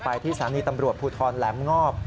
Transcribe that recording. ที่สถานีตำรวจภูทรแหลมงอบ